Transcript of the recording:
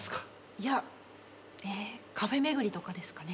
いやカフェ巡りとかですかね。